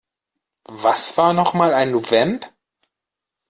Was war noch mal ein Vamp?